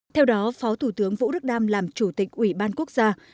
theo đó phó thủ tướng vũ đức đam làm chủ tịch ủy ban quốc gia